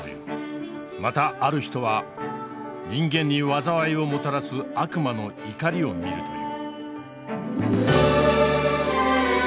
またある人は人間に災いをもたらす悪魔の怒りを見るという。